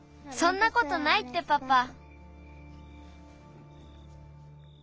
そんなことないってパパ。